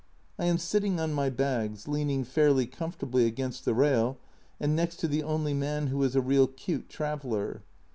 I am sitting on my bags, leaning fairly comfortably against the rail and next to the only man who is a real cute traveller.